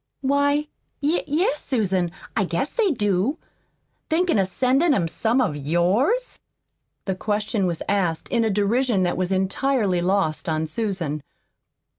"Why, y yes, Susan, I guess they do. Thinkin' of sendin' 'em some of yours?" The question was asked in a derision that was entirely lost on Susan.